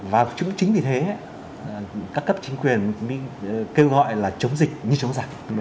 và chính vì thế các cấp chính quyền mới kêu gọi là chống dịch như chống giặc